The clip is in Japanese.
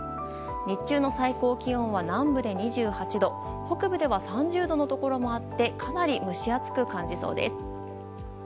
日中の最高気温は南部で２８度北部では３０度のところもあってかなり蒸し暑く感じそうです。